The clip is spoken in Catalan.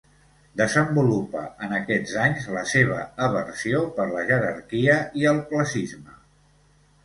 Desenvolupa en aquests anys la seva aversió per la jerarquia i el classisme.